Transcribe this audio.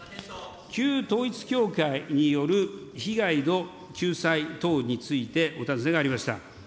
旧統一教会による被害の救済等についてお尋ねがありました。